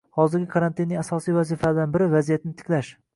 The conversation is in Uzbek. Hozirgi karantinning asosiy vazifalaridan biri - vaziyatni tiklash